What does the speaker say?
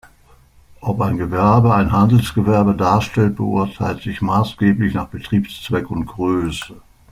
Ob ein Gewerbe ein Handelsgewerbe darstellt, beurteilt sich maßgeblich nach Betriebszweck und -Größe.